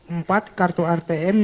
empat kartu atm